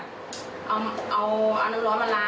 ทำวันสองวันก็เว้นพะโลค่ะ